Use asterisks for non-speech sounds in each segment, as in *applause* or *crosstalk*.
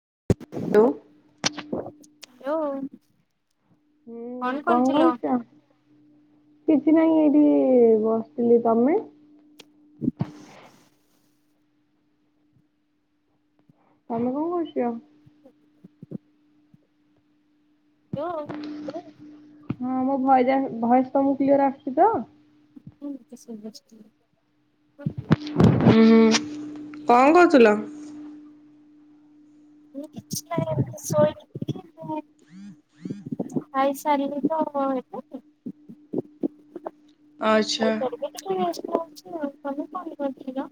*unintelligible* Hello. ହୁଁ କଣ କରୁଚ? କିଛି ନାହିଁ ଏଇଠି ବସିଥିଲି ତମେ? ତମେ କଣ କରୁଛ? ଲୋ ମୁଁ ମୋ ଭଏଯା ଭଏସ୍ ତମକୁ କ୍ଲିଅର ଆସୁଛି ତ? ଓଃ ତା ସ୍କୁଲ୍ ବା ଛୁଟି କରି ହୁଁ କଣ କରଥୁଲ? ଇଏ କିଛି ନାଇଁ ଆମେ ଶୋଇଛୁ ଟିକେ। ଖାଇ ସାରିଲେ ତ *unintelligible* ଆଚ୍ଛା। ଖାଇ ସାରିକି ଟିକେ *inaudible* ଅଛି ଆଉ ତମେ କଣ କରୁଥିଲ?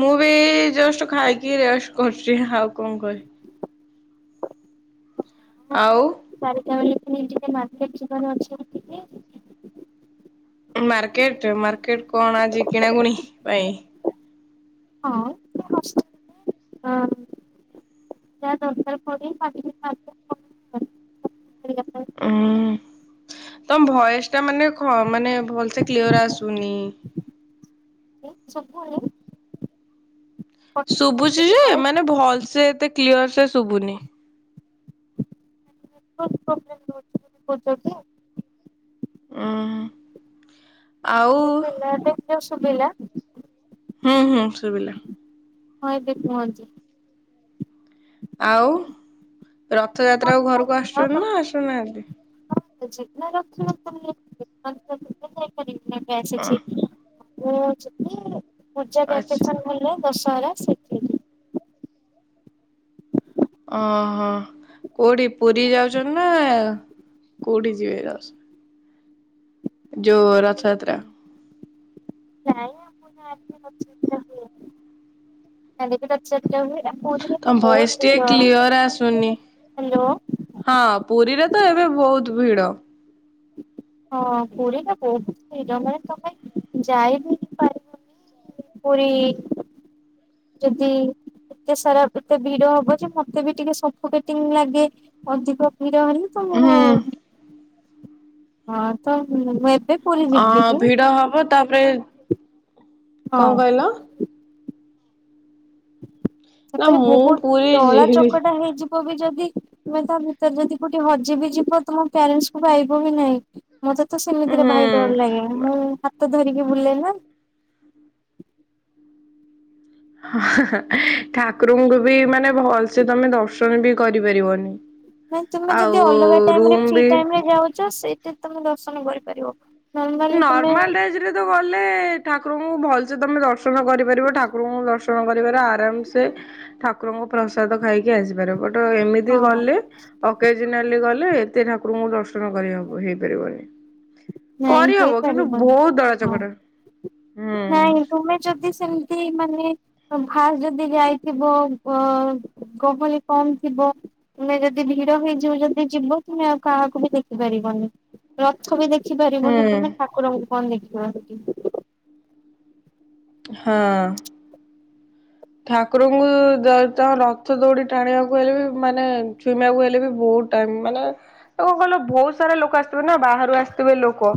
ମୁଁ ବି ଜଷ୍ଟ ଖାଇକି ରେଷ୍ଟ କରୁଛି ଆଉ କଣ କହି ହଁ ଆଉ ଚାରିଟା ବେଳେ। ନେଇଯିବେ ମାର୍କେଟ ଯିବାରେ ଅଛି ଆଜି ଟିକେ। ମାର୍କେଟ୍-ମାର୍କେଟ କଣ ଆଜି କିଣାକୁୁଣି ପାଇଁ? ହଁ *unintelligible* ଅଁ। ଯାହା ଦରକାର ପଡେ। *inaudible* ଉଁ ତମ ଭଏସ୍ ଟା ମାନେ ଖ ମାନେ ଭଲ୍ ସେ କ୍ଲିୟର ଆସୁନି। ସୁବୁନି? ଶୁଭୁଛି ଯେ ମାନେ ଭଲ୍ ସେ ଏତେ କ୍ଲିୟର ସେ ଶୁଭୁନି। ହେଉଯଦି ଆ ଉଁ ଆଉ ଏବେ ଶୁବିଲା? ହୁଁ-ହୁଁ ଶୁବିଲା। ହଁ ଏବେ କୁହନ୍ତୁ। ଆଉ କଣ ରଥଯାତ୍ରାକୁ ଘରୁକୁ ଆସୁଛନ୍ତି ନା ଆସୁନାହାନ୍ତି? ଯିବି ନା ରଥଯାତ୍ରା ରେ ମୁଁ ଏବେ ଅଁ ଆସିଛି ମୁଁ ଯିବି ପୂଜା ଆଚ୍ଛା ଭେକେସନ୍ ହେଲେ। ଦଶହରା ସେଥିରେ ଯି ଅଃ କୋଉଠି ପୁରୀ ଯାଉଚନ୍ତି ନା କୋଠିକି ଯିବା ୟସ୍ ଯୋଉ ରଥଯାତ୍ରା। ନାଇଁ ଆମ ଗାଁରେ ରଥଯାତ୍ରା ହୁଏ। *unintelligible* ହୁଏ। ଆଉ ପୁରୀରେ ତ ତମ୍ ଭଏସ୍ ବହୁତ ଟିକେ ଭିଡ କ୍ଲିୟର ଆସୁନି ହ୍ୟାଲୋ। ହଁ। ପୁରୀରେ ତ ଏବେ ବହୁତ୍ ଭିଡ। ହଁ ପୁରୀ ତ ବହୁତ ଭିଡ ଜମାରୁ ତମେ ଯାଇ ହିଁ ପାରିବନି। ପୁରୀ ଯଦି ଏତେ ସାରା ଏତେ ଭିଡ ହବ ଯେ ମତେ ବି ଟିକେ ସଫୁକେଟିଙ୍ଗ‌ ଲାଗେ ଅଧିକ ଭିଡ଼ ହେଲେ ତ ମୁଁ ହୁଁ ହଁ ତ ମୁଁ ଏ ଅ ଭିଡ ହବ ତାପରେ ହଁ। କଣ କହିଲ? ନା ସେତେବେଳେ ମୁଁ ବହୁତ୍ ପୁରୀ ଦଳା ଯିବି ଚକଟା ହେଇଯି ହଉ ବି ଯଦି ତମେ ତା ଭିତରେ ଯଦି କୋଠି ହଜିି ବି ଯିବ ତମ ପ୍ୟାରେଣ୍ଟସ୍ ଙ୍କୁ ପାଇବ ହିଁ ନାଇଁ। ମତେ ତ ସେମିତିରେ ହୁଁ ଭାରି ଡର ଲାଗେ ମୁଁ ହାତ ଧରିକି ବୁଲ୍ଲେ ନା? ହା-ହା-ହା ଠାକୁରଙ୍କୁ ବି ମାନେ ଭଲ୍ସେ ତମେ ଦର୍ଶନ ବି କରିପାରିବନି। ନାଇ ତୁମେ ଆଉ ଯଦି ଅଲଗା ଟାଇମ୍ରେ ରୁମ୍ ଫ୍ରି ବି ଟାଇମ୍ ରେ ଯାଉଚ ସେଇଟ୍ ତମେ ଦର୍ଶନ କରିପାରିବ। ନର୍ମାଲି ତୁମେ ନର୍ମାଲ୍ ଡେଜରେ ତ ଗଲେ ଠାକୁରଙ୍କୁ ଭଲ୍େସ ତମେ ଦର୍ଶନ କରିପାରିବ ଠାକୁରଙ୍କୁ ଦର୍ଶନ କରିପାରିବ ଆରାମ୍ ସେ ଠାକୁର ମୁଁ ପ୍ରସାଦ ଖାଇକି ଆସି ପାରିବ। ବଟ ଏମିତି ହଁ ଗଲେ ଅକେଜ୍ନାଲି ଗଲେ ହେଲେ ଏତେ ଠାକୁରୁଙ୍କୁ ଦର୍ଶନ କରି ହେଇପାରିବନି। ନାଇଁ କରିହବ କିନ୍ତୁ ହେଇପାରିବନି ବହୁତ୍ ଦଳା ହଁ। ଚକଟା। ହୁଁ ନାଇଁ ତୁମେ ଯଦି ସେମିତି ମାନେ ଫାସ୍ ଯଦି ଯାଇଥିବ ଅ ଗହଳି କମଥିବ। ତୁମେ ଯଦି ଭିଡ ହେଇଯିବ ଯଦି ଯିବ ତୁମେ ଆଉ କାହାକୁ ବି ଦେଖି ପାରିବନି ରଥ ବି ଦେଖି ଖିପାରିବନି ହୁଁ ତୁମେ ଠାକୁରଙ୍କୁ କଁ ଦେଖିବ। ହଁ। ଠାକୁରଙ୍କୁ ଦ ତଁ ରଥ ଦୌଡି ଟାଣିବାକୁ ହେଲେ ବି ମାନେ ଛୁଇଁବାକୁ ହେଲେ ବି ବହୁ ଟାଇମ୍ ମାନେ ଆଉ କଁ କହିଲନା ବହୁତ ସାରା ଲୋକ ଆସିଥିବେ ନା ବାହାରୁ ଆସିଥିବେ ଲୋକ।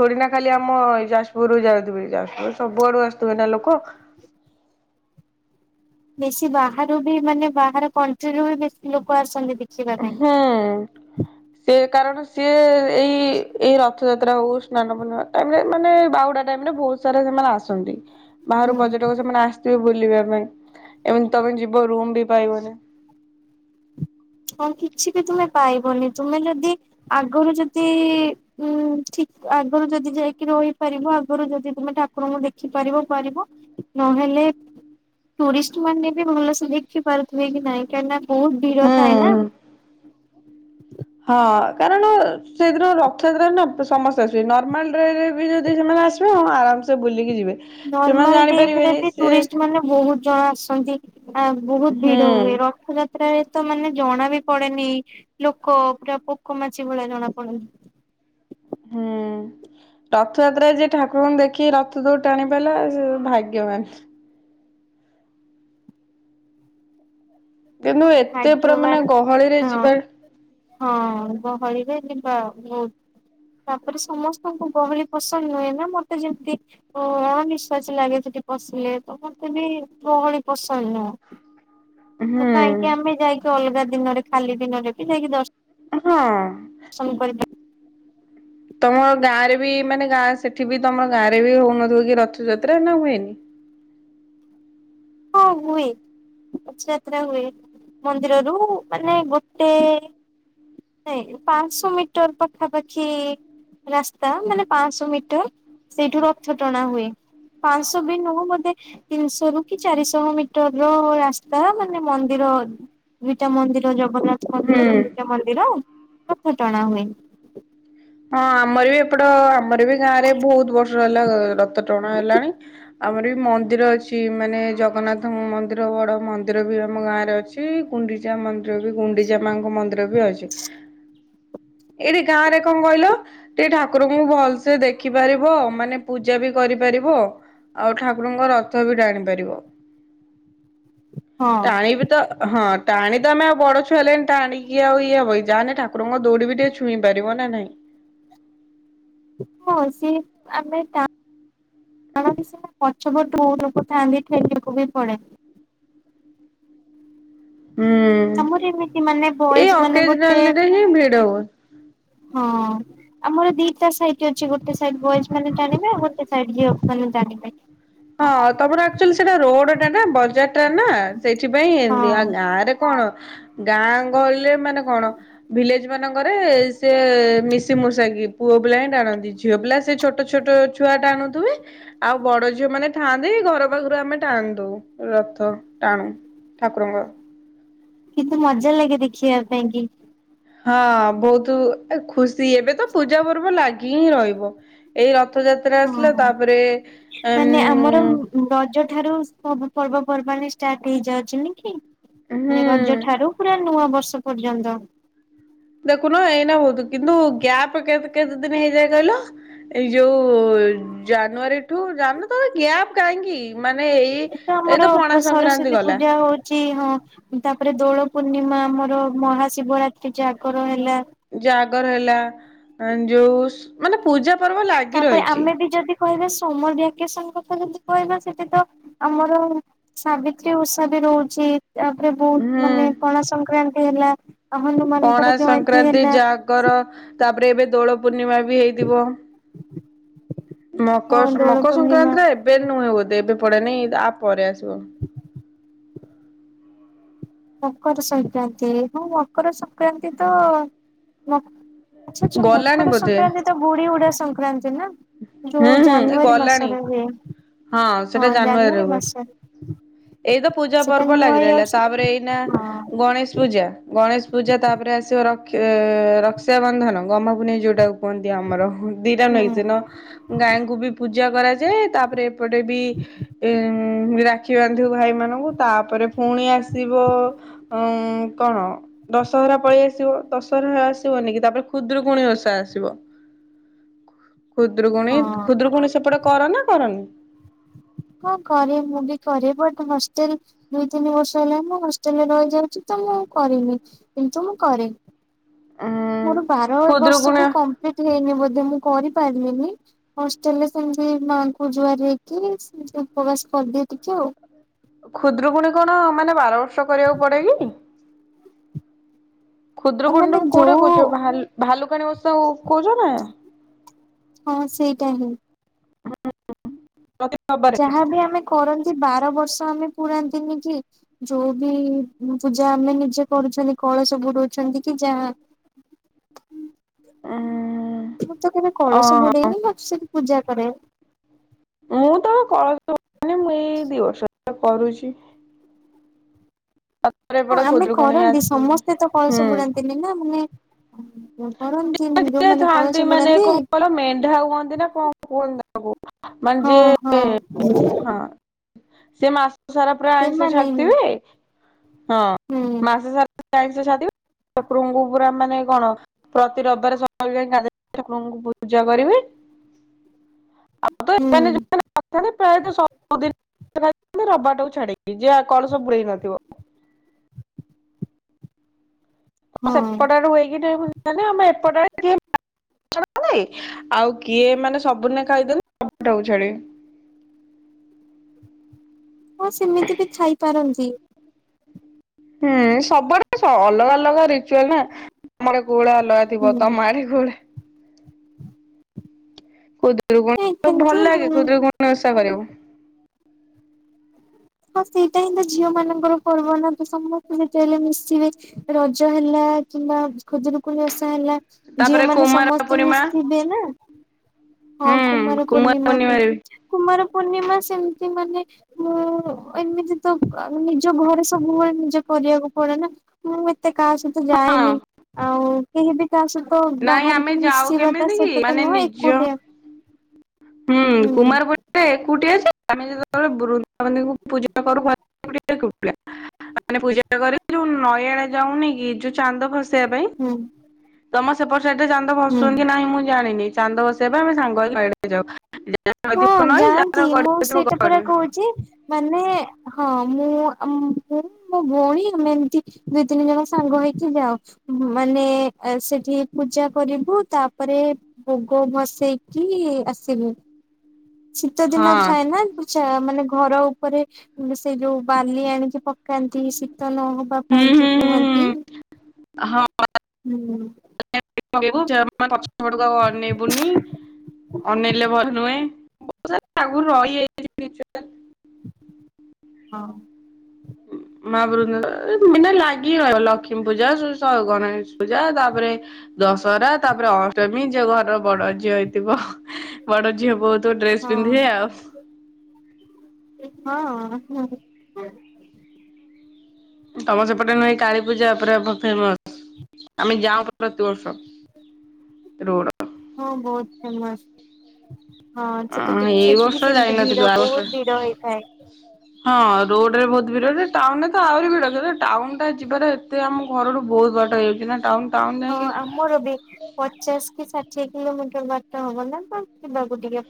ଥୋଡି ନା ଖାଲି ଆମ ଯାଜପୁରରୁୁ ଯାଉଥିବେ ଯାଜପୁର ସବୁଆଡୁ ଆସୁଥିବେ ନା ଲୋକ। *unintelligible* ବେଶୀ ବାହାରୁ ବି ମାନେ ବାହାର କଣ୍ଟ୍ରିରୁୁ ବି ବେଶୀ ଲୋକ ଆସନ୍ତି ଦେଖ୍ ହଁ ସେ କାରଣ ସିଏ ଏଇ ଏଇ ରଥଯାତ୍ରା ହଉ ସ୍ନାନ ପୂନିମା ଟାଇମ ରେ ମାନେ ବାଉଡା ଟାଇମ ରେ ବହୁତ ସାରା ସେମାନେ ଆସନ୍ତି। ବାହାରୁ ହୁଁ ପର୍ଯ୍ୟଟକ ସେମାନେ ଆସିଥିବେ ବୁ ବୁଲିବା ପାଇଁ ଏମିତି ତମେ ଯିବ ରୁମ୍ ବି ପାଇବନି। ହଁ କିଛି ବି ତୁମେ ପାଇବନି ତୁମେ ଯଦି ଆଗରୁ ଯଦି ଉଁ ଆଗରୁ ଯଦି ଯାଇକି ରହିପାରିବ ଆଗରୁ ଯଦି ତୁମେ ଠାକୁରଙ୍କୁ ଦେଖିପାରିବ ପାରିବ ନହେଲେ ଲେପ୍ ଟୁରିଷ୍ଟ୍ ମାନେ ବି ଭଲସେ ଦେଖପାରୁଥିବେ କି ନାଇଁ କାଇଁକି ନା ବହୁତ୍ ଭିଡ ହଁ ଥାଏ ନା। ହଁ କାରଣ ସେଇଦିନ ରଥଯାତ୍ରା ନା ସମସ୍ୟା ଆସୁଚି ନର୍ମାଲ ଡ୍ରେରେ ବି ଯଦି ସେମାନେ ଆସିବେ ହଁ ଆରାମସେ ବୁଲିକି ଯିବେ। ସେମାନେ ନର୍ମାଲ ଡେଜ୍ ରେ ଜାଣିପାରିବେନି ବି ସେ ଟୁରିଷ୍ଟ ମାନେ ବହୁତ ଜଣ ଆସନ୍ତି ଆ ବହୁତ ହୁଁ ଭିଡ ହୁଏ। ରଥଯା ତ୍ରା ରେ ତ ମାନେ ଜଣା ବି ପଡେନି ଲୋକ ପୁରା ପୋକ ମାଛି ଭଳିଆ ଜଣା ପଡନ୍ତି। ହୁଁ। ରଥଯାତ୍ରା ରେ ଯେ ଠାକୁରଙ୍କୁ ଦେଖି ରଥ ଦୌଡି ଟାଣି ପାଇଲା ସେ ଭାଗ୍ୟବାନ୍। କିନ୍ତୁ ଏତେ ପୁରା ଭାଗ୍ୟବାନ୍ ମାନେ ଗହଳିରେ ଅଁ ଯିବା ଅଁ ଗହଳିରେ ଖିବା ବହୁତ୍। ତାପରେ ସମସ୍ତଙ୍କୁ ଗହଳି ପସନ୍ଦ ନୁହେଁ ନା ମତେ ଯେମିତି ଅ ଅଣନିଶ୍ୱାସୀ ଲାଗିଥାଏ। ପଶିଲେ ତମକୁ ତେନି ଗହଳି ପସନ୍ଦ ନୁହଁ। ତ ହୁଁ କାଇଁକି ଆମେ ଯାଇକି ଅଲଗା ଦିନରେ ଖାଲି ଦିନରେ ବି ଯାଇକି ଦର୍ ହଁ। ସନ୍ କରିକି। ତମ ଗାଁ ରେ ବି ମାନେ ଗାଁ ସେଠି ବି ତମ ଗାଁରେ ବି ହଉନଥିବ କି ରଥଯାତ୍ରା ନା ହୁଏନି। *unintelligible* ହଁ ହୁଏ। ଯାତ୍ରା ହୁଏ ମନ୍ଦିରରୁ ମାନେ ଗୋଟେ ନାଇ ପାଞ୍ଚଶ ମିଟର ପାଖାପାଖି। ରାସ୍ତା ମାନେ ପାଆଁସ ମିଟର ସେଇଠୁ ରଥ ଟଣା ହୁଏ। ପାଞ୍ଚଶହ ବି ନୁହଁ ବୋଧେ ତିନଶହ ରୁ କି ଚାରିଶହ ମିଟର ର ରାସ୍ତା ମାନେ ମନ୍ଦିର ଦୁଇଟା ମନ୍ଦିର ଜଗନ୍ନା ମନ୍ଦିର ହୁଁ। ଗୁଣ୍ଡିଚା ମନ୍ଦିର ରଥ ଟଣା ହୁଏ। ହଁ ଆମର ବି ଏପଟ ଆମର ବି ଗାଁ ରେ ବହୁତ ବର୍ଷ ହେଲା ରଥ ଟଣା ହେଲାଣି ଆଉ ଆମରବି ମନ୍ଦିର ଅଛି ମାନେ ଜଗନ୍ନାଥଙ୍କ ମନ୍ଦିର ବଡ ମନ୍ଦିର ବି ଆମ ଗାଁ ରେ ଅଛି ଗୁଣ୍ଡିଚା ମ ତାପରେ ଗୁଣ୍ଡିଚାମାଙ୍କ ମନ୍ଦିର ବି ଅଛି ଏଇଠି ଗାଁରେ କଅଁ କହିଲ ଟିକେ ଠାକୁରଙ୍କୁ ଭଲ ସେ ଦେଖିପାରିବ ମାନେ ପୂଜାବି କରିପାରିବ। ଆଉ ଠାକୁରଙ୍କ ରଥ ବି ଟାଣି ପାରିବ। ହଁ ଟାଣିବିତ ହଁ। ଟାଣି ତ ଆମେ ଆଉ ବଡ ଛୁଆ ହେଲେଣି ଟାଣିକି ଆଉ ଇଏ ହବକି ଯାହାନେ ଠାକୁରଙ୍କ ଦୌଡିିବି ଟିକେ ଛୁଇଁ ପାରିବ। ନା ନାଇଁ। ହଁ ସି ଆମେ ଟା ଆ ମିଶ ପଚ୍ଛବରଧଉନୋକୋଥାେ ଆଗିଠେକ କବି ପଡ଼େ। ହୁଁ। ଆମର ଏମିତି ମାନେ ଏଇ ବଏଜ ମାନେ ଗୋଟେ। ଅକେଜନାଲ ରେ ହିଁ ଭିଡ ହୁଏ। ହଁ। ଆମର ଦିଟା ସାଇଟ୍ ଅଛି ଗୋଟେ ସାଇ ବଏଜ ମାନେ ଜାଣିବେ ଆଉ ଗୋଟେ ସାଇଡ ଗଲ ମାନେ ଜାଣିବେ। ହଁ ତମର ଆଚୁଆଲି ସେଟା ରୋଡ ଟା ନା ବଜାର ଟା ନା ସେଇଥି ପାଇଁଲ ଏମତି ଆ ହଁ ଗାଁ ରେ କଣ ଗାଁ ଗହଳିରେ ମାନେ କଣ ଭିଲେଜ ମାନଙ୍କରେ ସେି ମି ସି ମଷାଗି ପୁଅ ପିଲା ହିଁ ଟାଣନ୍ତି ଝିଅ ପିଲ ସେ ଛୋଟ ଛୋଟ ଛୁଆ ଟା ଆଣୁଥିବେ ଆଉ ବଡ ଝିଅମାନେ ଥାଆନ୍ତି ଘର ପାଖରୁ ଆମେ ଟାଣନ୍ତୁ ରଥ ଟାଣୁ। ଠାକୁରଙ୍କର। କିନ୍ତୁ ମଜା ଲାଗେ ଦେଖିବା ପାଇଁ କି? ହଁ ବହୁତ ଏ ଖୁସି ଏବେ ତ ପୂଜା ପର୍ବ ଲାଗି ହିଁ ରହିବ ଏଇ ର ହଁ ମାନେ ଆମର ଏମ୍ ରଜ ଠାରୁ ସବୁ ପର୍ବ ପର୍ବାଣିୀ ଷ୍ଟାର୍ ହେଇଯାଉଛି ନ ହୁଁ କି ରଜ ଠାରୁ ପୁରା ନୂଆ ବର୍ଷ ବର୍ଷ ପର୍ଯ୍ୟନ୍ତ। ଦେଖୁନ ଏଇନ ହଉୁ କିନ୍ତୁ ଗ୍ୟାପ କେଦ କେଦ ଦିନ ହେଇଯାଏ କଇଲ। ଏଇ ଯୋଉ ଜାନୁଆରୀଠୁ ଜାନନ ତ ଗ୍ୟାପ କାହିଁକି? ମାନେ ଏଇ ଏ ତ ଏଇ ଆମର ପଣା ସଂକ୍ରାନ୍ତି ସରସ୍ଵତୀ ଗଲା ପୂଜା ହଉଛି ହଁ। ତାପରେ ଦୋଳ ପୂର୍ଣ୍ଣିମା ଆମର ମହାଶିବରାତ୍ରି ଜାଗର ହେଲା। ଜାଗର ହେଲା ଯୋଉ ମାନେ ପୂଜା ପର୍ବ ଲାଗି ତାପରେ ରହିଛି ଆମେ ବି ଯଦି କହିବା ସମର ଭ୍ୟାକେସନ କଥା ଯଦି କହିବା ସେଠି ତ ଆମର ସାବିତ୍ରୀ ଉଷା ବି ରହୁଛି। ତାପରେ ବହୁତ ହୁଁ ମାନେ ପଣା ସଂକ୍ରାନ୍ତି ହେଲା। ପଣା ହନୁମାନଙ୍କର ଜୟନ୍ତୀ ସଂକ୍ରାନ୍ତି ହେଲା ଜାଗର ତାପରେ ଏବେ ଦୋଳ ପୂର୍ଣ୍ଣିମା ବି ହେଇଥିବ। ହଁ ମକର ଦୋଳ ମକର ପୂର୍ଣ୍ଣିମା ସଂକ୍ରାନ୍ତିରେ ଏବେ ନୁହେଁ ବୋଧେ ଏବେ ପଡେନି ଆ ପରେ ଆସିବ। ମକର ସଂକ୍ରାନ୍ତି ହଁ ମକର ସଂକ୍ରାନ୍ତି ତ ଆଛା ଆଛା ଗଲାଣି ମକର ବୋଧେ ସଂକ୍ରାନ୍ତି ତ ଗୁଡ଼ି ଉୁଡା ସଂକ୍ରାନ୍ତି। ନା ହୁଁ ଯୋଉ ହୁଁ ଏ ଜାନୁଆରୀ ଗଲାଣି। ମାସରେ ହୁଏ। ହଁ ସେଟା ଜାନୁଆରୀରେ ଜାନୁଆରୀ ହୁଏ ମାସ ଏଇତ ପୂଜା ସେଟା ପର୍ବ ନୂଆ ଲାଗି ରହିଲା ଇୟର୍ସ ତାପରେ ଏଇ ହଁ ଗଣେଶ ପୂଜା ଗଣେଶ ପୂଜା ତାପରେ ଆସିବ। ରଖ ରକ୍ଷାବନ୍ଧନ ଗମାପୁନେଇ ଯେଉଁଟାକୁ କୁହନ୍ତି ଆମର ଦିଇଟା ହୁଁ ନଈଛି ନ। ଗାଈଁଙ୍କୁ ବି ପୂଜା କରାଯାଏ ତାପରେ ଏପଟେ ବି ଏ ଉଁ ରାକ୍ଷୀ ବାନ୍ଧିବ ଭାଇ ମାନଙ୍କୁ ତାପରେ ପୁଣି ଆସିବ ଉ କଣ ଦଶହରା ପଳେଇ ଆସିବ ଦଶହରା ଆସିବନି କି ତାପରେ ଖୁଦ୍ରରୁକୁୁଣି ଓଷା ଆସିବ। ଖୁଦ୍ରକୁୁଣୀ ହଁ ଖୁଦ୍ରକୁୁଣୀ ସେପଟେ କର ନା କରନି? ହଁ କରେ ମୁଁ ବି କରେ ବଟ ହଷ୍ଟେଲ ଦୁଇ ତିନି ବର୍ଷ ହେଲା ମୁଁ ହଷ୍ଟେଲରେ ରହିଯାଉଛି ତ। ମୁଁ କରନି କିନ୍ତୁ ମୁଁ କରେ। ଉଁ ମୋର ବାର ବର୍ଷ ବି ଖୁଦୁରୁକୁୁଣି କମ୍ପ୍ଲିଟ ହେଇନି ବୋଧେ ମୁଁ କରିବି। ପାରିଲିନି ହଷ୍ଟେଲ ରେ ସେମତି ମାଙ୍କୁ ଜୁଆର ହେଇକି ସେମତି ଉପବାସ କରିଦିଏ ଟିକେ। ଆଉ। ଖୁଦ୍ରକୁଣୀ କଣ ମାନେ ବାର ବର୍ଷ କରିବାକୁ ପଡେ କି? ଓ ଖୁଦୁରୁକୁଣୀ ମାନେ ଟମେ କୋଉଟା କ ଯୋଉ କହୁଛ ଭାଲୁକାନୀ ଓଷା। କଉଚ ନା? ସେଇଟା ହ ହଁ। ହଁ ହ। ଯାହାବି ଆମେ କରନ୍ତି ବାର ବର୍ଷ ଆମେ ପୁରୁରାନ୍ତିନି କି ଯୋଉବି। ପୂଜା ଆମେ ନିଜେ କରୁଛନ୍ତି କଳସ ବୁଡଉଛନ୍ତି ରହୁଛନ୍ତି କି ଯାହା। ଅଁ ମୁଁ ତ କେବେ କଳସ ବୁଡେଇନି ବାକି ସେଠି ପୂଜା କରେ। ମୁଁ ତ କରନଥିଲି ମୁଁ ଏଇ ଦି ବର୍ଷ ହବ କରୁଛି। ତାପରେ ଏପଟେ ହଁ ଆମେ ଖୁଦୁରୁକୁଣୀ କରନ୍ତି ଆସି ସମସ୍ତେ ତ କଳସ ବୁଡାନ୍ତିନି ନା ମାନେ। କରନ୍ତି ହୁଁ। ମାନେ ଯିଏ ଯୋଉମାନେ ଥାଆନ୍ତି କଳସ ମାନେ ବୁଡାନ୍ତି କଣ ମେଣ୍ଢା କୁଅନ୍ତି ନା କଣ କୁହନ୍ତି ତାଙ୍କୁ। ମାନେ ହଁ ଯେ, ହଁ ହଁ। ସେ ମାସ ସାରା ପ୍ରାଏ ଆଇଁଷ ସେମାନେ ହିଁ ଛାଡିଥିବେ ହଁ ହୁଁ ମାସ ସାରା। ଆଇଁଷ ଛାଡିଥିବେ, ଠାକୁରଙ୍କୁ ପୁରା ମାନେ କଣ। ପ୍ରତି ରବିବାର ସକାଳୁ ଯାଇ ଗାଧେଇକି ଠାକୁଙ୍କୁ ପୂଜା କରିବେ। *unintelligible* ହୁଁ ରବିବାରଟାକୁ ଛାଡିକି ଯେ କଳସ ବୁଡେଇ ନଥିବ। ହଁ ସେପଟରେ ହୁଏକି ନାଇଁ ମୁଁ ଜାଣିନି ଆମ ଏପଟରେ ଛାଡ଼ନ୍ତି। ଆଉ କିଏ ମାନେ ସବୁଦିନେ ଖାଇଦେଲେ ରବିବାର ଟାକୁ ଚଡ଼ିବେ। ହଁ ସେମିତି ବି ଥାଇପାରନ୍ତି। ହୁଁ ସବୁଆଡେ ସ ଅଲଗା ଅଲଗା ରିଚୁଆଲ ନା ଆମ ଆଡେ। କୋଉଗୁଳା ଅଲଗା ଥିବ ହୁଁ ତମ ଆଡେ କୋଉ ଡା। ଏ ଖୁଦୁରୁକୁଣୀ ଭଲ କିନ୍ତୁ ଲାଗେ ହଁ ଖୁଦୁରୁକୁଣୀଓଷା କରିବାକୁ। ହଁ ସେଇଟା ହିଁ ତ ଝିଅ ମାନଙ୍କର ପର୍ବ ନା ତ ସମସ୍ତେ ଯେତେବେଲେ ମିଶିବେ ରଜ ହେଲା। କିମ୍ବା ଖୁଦୁରୁକୁଣୀ ଓଷା ହେଲା ଝିଅ ତାପରେ ମାନେ କୁମାର ସମସ୍ତେ ପୂର୍ଣ୍ଣିମା ମିଶିବେ ନା। ହଁ କୁମାର ପୂର୍ଣ୍ଣିମା ବି କୁମାର। ପୂର୍ଣ୍ଣିମା ସେମିତି ମାନେ ମୁଁ। ଏମିତି ତ ନିଜ ଘରେ ସବୁବେଳେ ନିଜେ କରିବାକୁ ପଡେ ନା। ମୁଁ। ଏତେ କାହା ସହିତ ହଁ ଯାଏନି ଆଉ। କେହି ବି କା ସହିତ ନାଇଁ ଆମେ ବାହାରିକି ଯାଉ ମିଶିବାଟା କେମିତି କି ସେଟା ତ ମାନେ ନୁହଁ ନିଜ ଏକୁଟିଆ। ହୁଁ କୁମାର ପୂର୍ଣ୍ଣିମା ଏକୁଟିଆ ଯେ। ଆମେ ଯେତେବେଳେ ବୃନ୍ଦାବତୀଙ୍କୁ ପୂଜା କରୁ *unintelligible* ମାନେ ପୂଜା କରିକି ଯୋଉ ନଈଆଡେ ଯାଉନି କି ଯୋଉ ଚାନ୍ଦ ଭସେ ସେଇବା ପାଇଁ ହୁଁ ତମ ସେପଟ ସାଇଟରେ ଚାନ୍ଦ ହୁଁ। ଭସଉଛନ୍ତି କି ନାହିଁ ମୁଁ ଜାଣିନି। ଚାନ୍ଦ ଭସେଇବା ଆମେ ସାଙ୍ଗ ହେଇ ଯାଉ। ଯାହାର ହଁ ନଈଥିବ ନଈ ଯାହାର ଯାଆନ୍ତି ମୁଁ ଗଡିଆ ଥିବ ସେଇଟା ପୁରା ଗଡି କହୁଛି ମାନେ। ହଁ ମୁଁ ମୁଁ ମୋ ଭଉଣୀ ଆମେ ଏମତି ଦୁଇ ତିନି ଜଣ ସାଙ୍ଗ ହେଇକି ଯାଉ। ମାନେ ସେଠି ପୂଜା କରିବୁ ତାପରେ ଭୋଗ ଭସେଇକି। ଆସିବୁ। ଶୀତ ହଁ ଦିନ ଥାଏ ନା କି ଛ ମାନେ। ଘର ଉପରେ ସେ ଯୋଉ ବାଲି ଆଣିକି ପକାନ୍ତି। ଶୀତ ନହବା ହୁଁ ପାଇଁ ହୁଁ ଯୋଉ ହୁଁ କୁହନ୍ତି। ହୁଁ। ହଁ। ହୁଁ। ପଛୁଆ ପକେଇବି ମାନେ ପଛପଟକୁ ଅନେଇବୁନି। ଅନେଇଲେ ଭଲ ନୁହେଁ ବହୁତ୍ ସରା ଆଗରୁ ରହିଯାଇଛି ରିଚୁଆଲ। ହଁ। ମା ବୃନ୍ଦା ଏଇନା ଲାଗିି ରହିବ ଲକ୍ଷ୍ମୀ ପୂଜା, ଗଣେଶ ପୂଜା, ତାପରେ। ଦଶହରା ତାପରେ ଅଷ୍ଟମୀ ଯୋଉ ଘରର ବଡ ଝିଅ ହେଇଥିବ ବଡ ଝିଅ ବହୁତ। ତ ଡ୍ରେସ ପିନ୍ଧିଆ ଆଉ। ହଁ ହ। ତମ ସେପଟେ ନୁହେଁ କାଳୀପୂଜା ପୁରା ଫେମସ। ଆମେ ଯାଉଁ ପ୍ରତିବର୍ଷ। ରୋଡ଼ଅ ହଁ ବହୁତ ଫେମସ୍। ହଁ ସେଠିକି ଏଇ ବର୍ଷ ସେଠିକି ସେମିତି ଯାଇନଥିଲୁ ଭିଡ ଆର ବର୍ଷ ବହୁତ ଭିଡ ହେଇଥାଏ। ହଁ ରୋଡରେ ବହୁତ ଭିଡ ଯେ। ଟାଉନରେ ତ ଆହୁରି ଭିଡ ଟାଉନଟା ଯିବାର ଏତେ ଆମ ଘରରୁ ବହୁ ବାଟ ହେଇଯାଉଛି ନା ଟାଉନ ଟାଉନ ହଁ ଯାଇକି ଆମର ବି ପଚାଶ କି ଷା ଠିଏ କିଲୋମିଟର ବାଟ ହବ ନା, ଯିବାକୁ ଟିକେ